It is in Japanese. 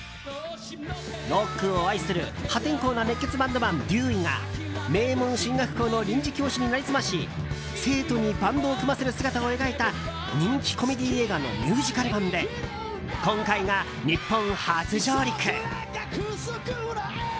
ロックを愛する破天荒な熱血バンドマン、デューイが名門進学校の臨時教師に成り済まし生徒にバンドを組ませる姿を描いた人気コメディー映画のミュージカル版で今回が日本初上陸。